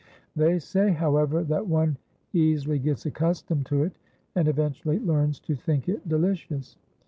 They say, however, that one easily gets accustomed to it, and eventually learns to think it delicious.